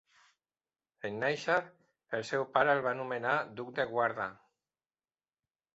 En néixer, el seu pare el va nomenar duc de Guarda.